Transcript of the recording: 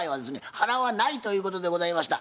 払わないということでございました。